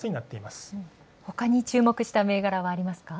ほかに注目した銘柄はありますか？